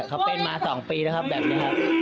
อันนี้แหละ